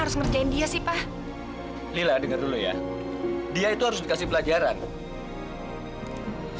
sampai jumpa di video selanjutnya